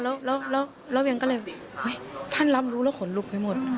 แล้วเรื่องก็เลยเฮ้ยท่านรับรู้แล้วขนลุกไปหมด